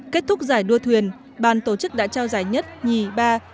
kết thúc giải đua thuyền bàn tổ chức đã trao giải nhất nhì ba